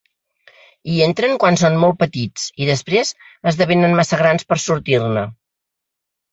Hi entren quan són molt petits i després esdevenen massa grans per sortir-ne.